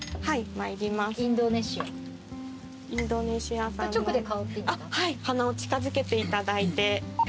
はい鼻を近づけていただいて。